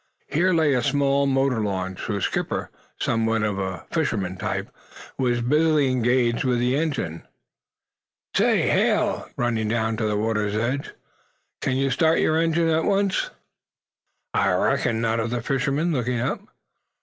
Here lay a small motor launch, whose skipper, somewhat of the fisherman type, was busily engaged with the engine. "Say," hailed young Benson, running down to the water's edge, "can you start your engine at once?" "I reckon," nodded the fisherman, looking up.